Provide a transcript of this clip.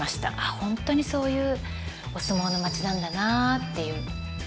本当にそういうお相撲の町なんだなっていう。